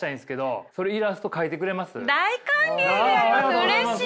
うれしい！